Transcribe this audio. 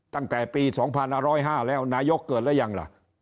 ตั้งแต่ปีสองพันธุ์อร้อยห้าแล้วนายกเกิดแล้วยังล่ะ